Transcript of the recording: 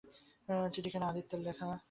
চিঠিখানা আদিত্যের লেখা।